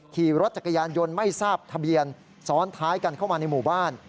ขี่รถจักรยานยนต์ไม่ทราบทะเบียนซ้อนท้ายกันเข้ามาในหมู่บ้าน